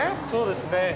そうですね。